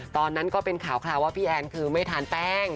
ตอนนั้นก็เป็นข่าวว่าพี่แอนคือไม่ทานแป้ง